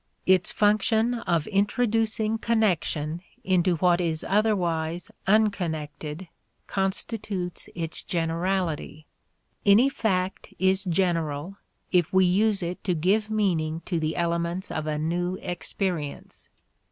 Its function of introducing connection into what is otherwise unconnected constitutes its generality. Any fact is general if we use it to give meaning to the elements of a new experience.